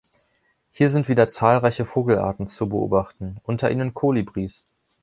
Hier sind wieder zahlreiche Vogelarten zu beobachten, unter ihnen Kolibris.